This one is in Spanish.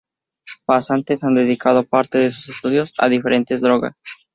Pasantes ha dedicado parte de sus estudios a diferentes drogas.